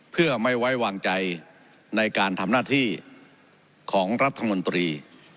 เพื่อไม่ไว้วางใจในการทำหน้าที่ของรัฐมนตรี